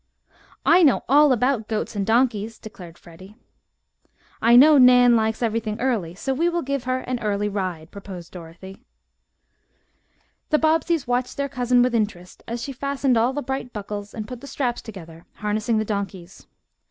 "I know all about goats and donkeys," declared Freddie. "I know Nan likes everything early, so we will give her an early ride," proposed Dorothy. The Bobbseys watched their cousin with interest as she fastened all the bright buckles and put the straps together, harnessing the donkeys.